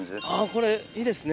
これいいですね。